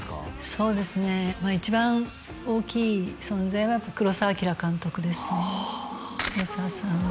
そうですね一番大きい存在はやっぱ黒澤明監督ですねは